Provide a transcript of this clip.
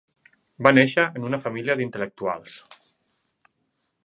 Va néixer en una família d'intel·lectuals.